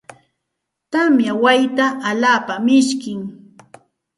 Tamya wayta alaapa mishkim.